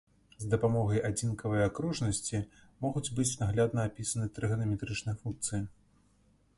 З дапамогай адзінкавай акружнасці могуць быць наглядна апісаны трыганаметрычныя функцыі.